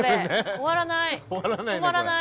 終わらない。